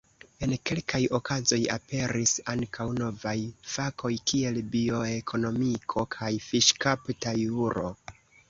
En kelkaj okazoj aperis ankaŭ novaj fakoj kiel bioekonomiko kaj fiŝkapta juro.